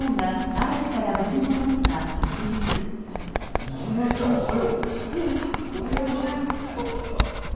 新次さんおはようございます。